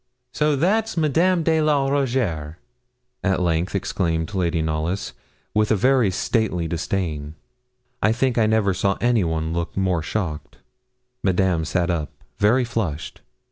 'So that's Madame de la Rougierre?' at length exclaimed Lady Knollys, with a very stately disdain. I think I never saw anyone look more shocked. Madame sat up, very flushed.